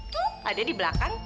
tuh ada di belakang